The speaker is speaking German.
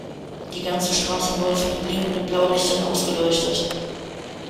Die ganze Straße wurde von den blinkenden Blaulichtern ausgeleuchtet.